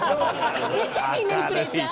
みんなにプレッシャー！